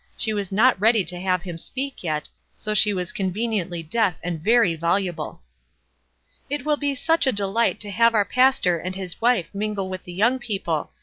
She was not ready to have him speak yet, so she was conveniently deaf and very vol ublo. rf it will be such a delight to have our pastor and his wife mingle with the young people.